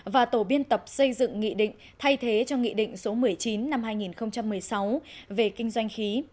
và tổ biên tập xây dựng nghị định thay thế cho nghị định số một mươi chín năm hai nghìn một mươi sáu về kinh doanh khí